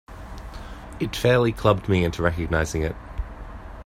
It fairly clubbed me into recognizing it.